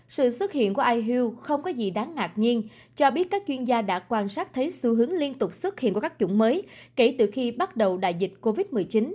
sự xuất hiện của ihul không có gì đáng ngạc nhiên cho biết các chuyên gia đã quan sát thấy xu hướng liên tục xuất hiện của các chủng mới kể từ khi bắt đầu đại dịch covid một mươi chín